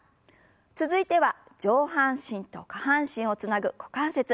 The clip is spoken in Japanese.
続いては上半身と下半身をつなぐ股関節。